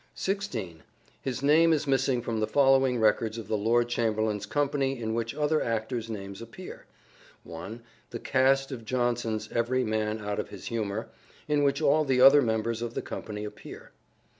16. His name is missing from the following records of the Lord Chamberlain's company in which other actors' names appear : (1) The cast of Jonson's " Every Man out of his Humour " in which all the other members of the company appear.